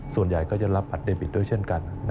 ส่วนใหญ่ก็จะรับบัตรเดบิตด้วยเช่นกัน